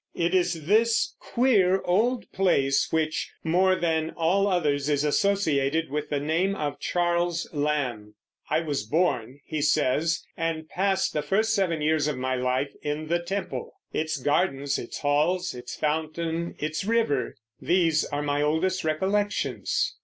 It is this queer old place which, more than all others, is associated with the name of Charles Lamb. "I was born," he says, "and passed the first seven years of my life in the Temple. Its gardens, its halls, its fountain, its river... these are my oldest recollections."